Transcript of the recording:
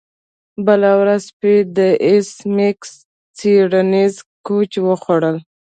بله ورځ سپي د ایس میکس څیړنیز کوچ وخوړ